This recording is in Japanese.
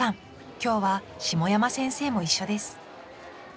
今日は下山先生も一緒です。